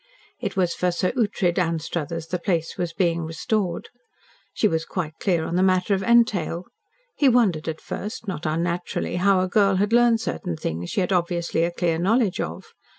It was for Sir Ughtred Anstruthers the place was being restored. She was quite clear on the matter of entail. He wondered at first not unnaturally how a girl had learned certain things she had an obviously clear knowledge of.